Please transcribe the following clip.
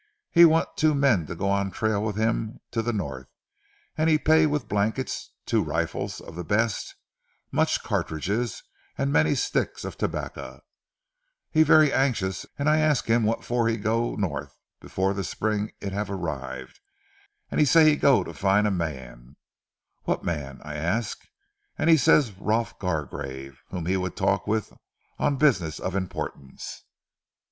He want two men to go on trail with him to ze North, an' he pay with blankets, two rifles of ze best, mooch cartridges, and many sticks of tabac. He vaire anxious, and I ask him what for he go North before ze spring it have arrive. And he say he go to find a mans. What mans? I ask, and he say Rolf Gargrave, whom he would talk with on business of importance.